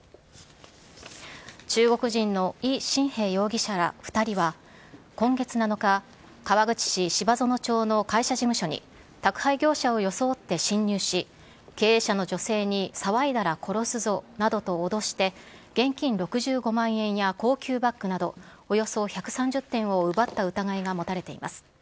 中国人の伊振平容疑者ら２人は、今月７日、川口市芝園町の会社事務所に、宅配業者を装って侵入し、経営者の女性に騒いだら殺すぞなどと脅して、現金６５万円や高級バッグなどおよそ１３０点を奪った疑いが持たれています。